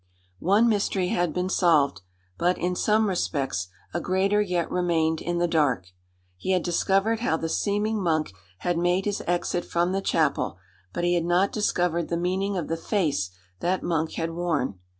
One mystery had been solved; but, in some respects, a greater yet remained in the dark. He had discovered how the seeming monk had made his exit from the chapel, but he had not discovered the meaning of the face that monk had worn.